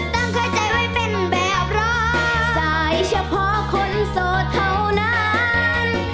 ตั้งเครื่องใจว่าเป็นแบบร้อยสายเฉพาะคนโสดเท่านั้น